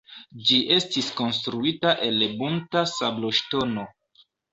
Ĝi estis konstruita el bunta sabloŝtono.